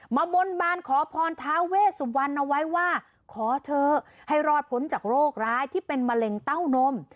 มาบนบานขอพรทาเวสุวรรณเอาไว้ว่าขอเถอะให้รอดพ้นจากโรคร้ายที่เป็นมะเร็งเต้านม